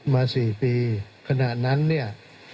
มา๔ปีขณะนั้นเนี่ย